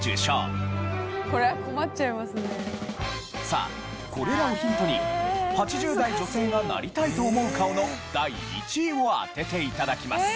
さあこれらをヒントに８０代女性がなりたいと思う顔の第１位を当てて頂きます。